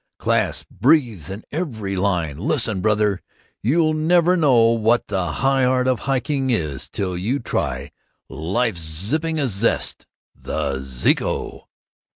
Class breathes in every line. Listen, brother! You'll never know what the high art of hiking is till you TRY LIFE'S ZIPPINGEST ZEST THE ZEECO!"